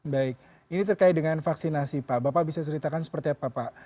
baik ini terkait dengan vaksinasi pak bapak bisa ceritakan seperti apa pak